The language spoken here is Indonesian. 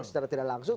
secara tidak langsung